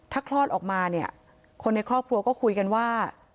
ถ้าคลอดออกมาเนี่ยคนในครอบครัวก็คุยกันว่า